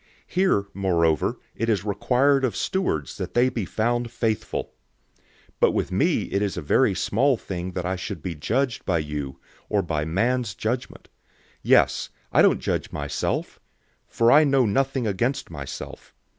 004:002 Here, moreover, it is required of stewards, that they be found faithful. 004:003 But with me it is a very small thing that I should be judged by you, or by man's judgment. Yes, I don't judge my own self. 004:004 For I know nothing against myself.